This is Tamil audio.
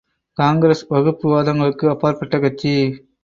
காங்கிரஸ் வகுப்பு வாதங்களுக்கு அப்பாற்பட்ட கட்சி.